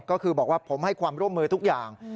ก็คือบอกว่าผมให้ความร่วมมือทุกอย่าง